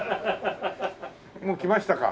もう来ましたか？